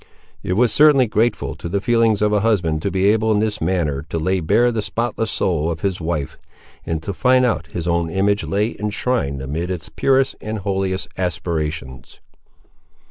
It was certainly grateful to the feelings of a husband to be able in this manner to lay bare the spotless soul of his wife, and to find that his own image lay enshrined amid its purest and holiest aspirations.